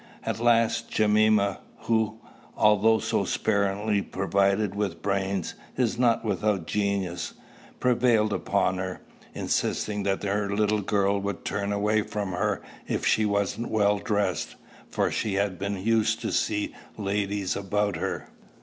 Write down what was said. At last Jemima, who, although so sparingly provided with brains, is not without genius, prevailed upon her, insisting that her little girl would turn away from her if she wasn't well dressed, for she had been used to see ladies about her.